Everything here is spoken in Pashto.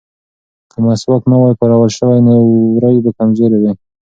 که مسواک نه وای کارول شوی نو وورۍ به کمزورې وې.